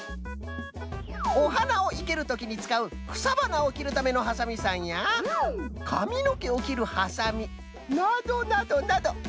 おはなをいけるときにつかうくさばなをきるためのハサミさんやかみのけをきるハサミなどなどなど。